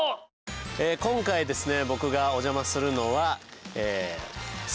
今回ですね